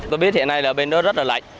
tôi biết hiện nay là bên đó rất là lạnh